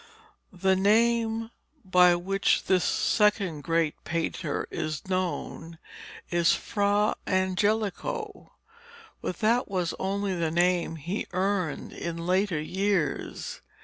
The name by which this second great painter is known is Fra Angelico, but that was only the name he earned in later years.